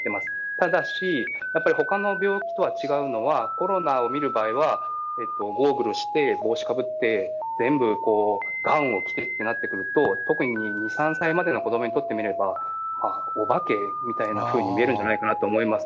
ただし、やっぱりほかの病気とは違うのは、コロナを診る場合は、ゴーグルをして、帽子かぶって、全部ガウンを着てとなってくると、特に２、３歳までの子どもにとってみれば、お化けみたいなふうに見えるんじゃないかなと思います。